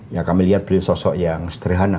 ya kami lihat beliau sosok yang sederhana